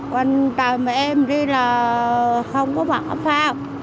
quanh trời mẹ em đi là không có bật áo phao